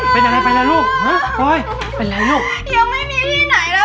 เห็นเค้าบอกว่าอยากเรียนรู้งาน